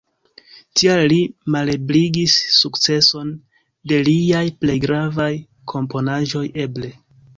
Tial li malebligis sukceson de liaj plej gravaj komponaĵoj eble.